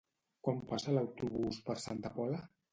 Quan passa l'autobús per Santa Pola?